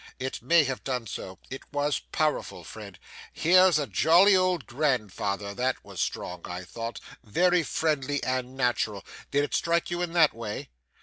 It may have done so. It was powerful, Fred. 'Here is a jolly old grandfather' that was strong, I thought very friendly and natural. Did it strike you in that way?